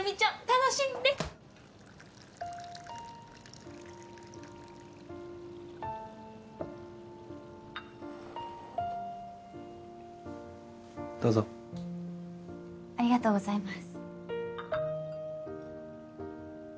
楽しんでどうぞありがとうございます